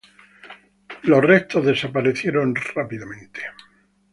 Los restos desaparecieron rápidamente.